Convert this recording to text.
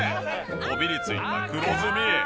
こびりついた黒ずみ。